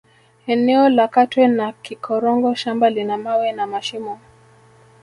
Eneo la Katwe na Kikorongo shamba lina mawe na mashimo